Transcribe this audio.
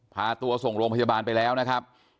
พาตัวส่งโรงพยาบาลไปแล้วนะครับ